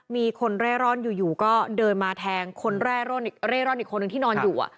มีคนเร่ร่อนอยู่อยู่ก็เดินมาแทงคนเร่ร่อนเร่ร่อนอีกคนหนึ่งที่นอนอยู่อ่ะ